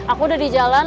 aku udah di jalan